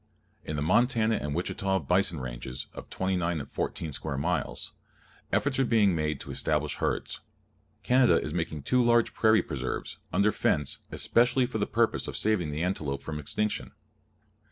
In the Montana and Wichita Bison Ranges, of 29 and 14 square miles, efforts are being made to establish herds. Canada is making two large prairie preserves, under fence, especially for the purpose of saving the antelope from extinction.